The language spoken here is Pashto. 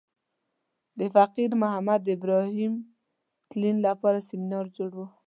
د فقیر محمد ابراهیم تلین لپاره سمینار جوړ و.